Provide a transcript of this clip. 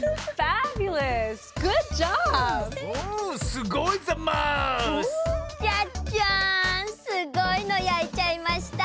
すごいのやいちゃいました！